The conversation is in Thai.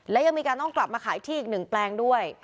และยังมีการต้องกลับมาขายที่อีกหนึ่งแปลงด้วย